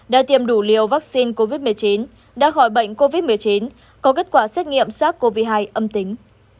đã tiêm đủ liều vaccine covid một mươi chín đã khỏi bệnh covid một mươi chín có kết quả xét nghiệm sars cov hai âm tính